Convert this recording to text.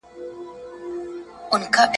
خدایه بیا هغه محشر دی اختر بیا په وینو سور دی ,